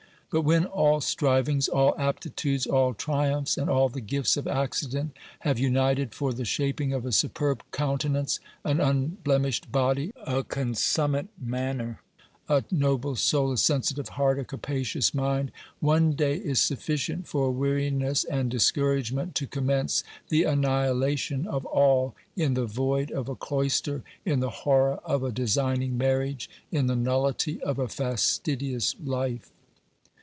OBERMANN 135 But when all strivings, all aptitudes, all triumphs and all the gifts of accident have united for the shaping of a superb countenance, an unblemished body, a consummate manner, a noble soul, a sensitive heart, a capacious mind, one day is sufficient for weariness and discouragement to commence the annihilation of all in the void of a cloister, in the horror of a designing marriage, in the nullity of a fastidious life.